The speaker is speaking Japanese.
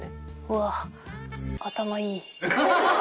うわっ頭いい。